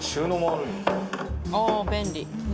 ああ便利。